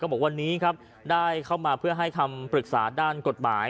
บอกวันนี้ครับได้เข้ามาเพื่อให้คำปรึกษาด้านกฎหมาย